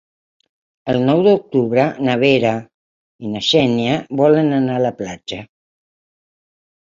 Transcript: El nou d'octubre na Vera i na Xènia volen anar a la platja.